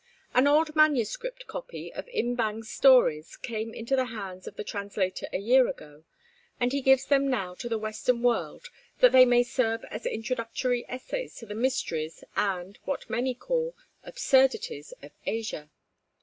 An old manuscript copy of Im Bang's stories came into the hands of the translator a year ago, and he gives them now to the Western world that they may serve as introductory essays to the mysteries, and, what many call, absurdities of Asia.